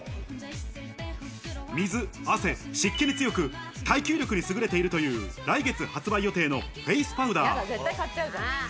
水、汗、湿気に強く、耐久力に優れているという来月発売予定のフェースパウダー。